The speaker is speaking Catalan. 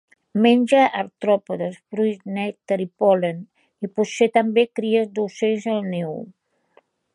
Menja artròpodes, fruits, nèctar i pol·len, i potser també, cries d'ocells al niu.